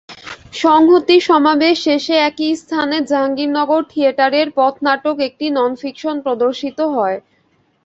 সংহতি সমাবেশ শেষে একই স্থানে জাহাঙ্গীরনগর থিয়েটারের পথনাটক একটি ননফিকশন প্রদর্শিত হয়।